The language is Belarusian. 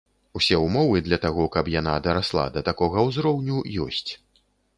Усе ўмовы для таго, каб яна дарасла да такога ўзроўню, ёсць.